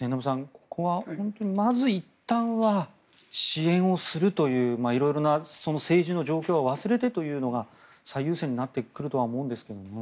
ここは本当にまずいったんは支援をするという色々な政治の状況は忘れてというのが最優先になってくるとは思うんですけどね。